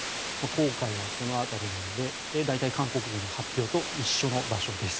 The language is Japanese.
黄海はこの辺りなので大体、韓国軍の発表と一緒の場所です。